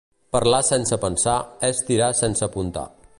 Parlar sense pensar és tirar sense apuntar.